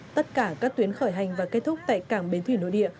tất cả các tuyến khởi hành và kết thúc tại cảng bến thủy nội địa